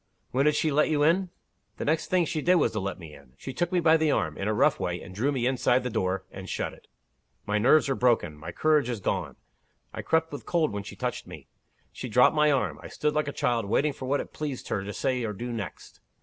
"When did she let you in?" "The next thing she did was to let me in. She took me by the arm, in a rough way, and drew me inside the door, and shut it. My nerves are broken; my courage is gone. I crept with cold when she touched me. She dropped my arm. I stood like a child, waiting for what it pleased her to say or do next.